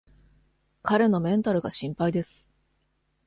彼のメンタルが心配です